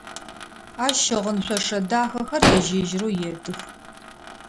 Ащ щыгъын шъошэ дахэхэр ежь-ежьырэу едых.